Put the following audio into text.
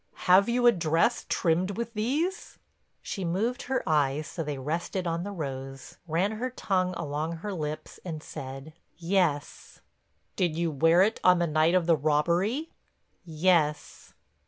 "Have you a dress trimmed with these?" She moved her eyes so they rested on the rose, ran her tongue along her lips and said: "Yes." "Did you wear it on the night of the robbery?" "Yes."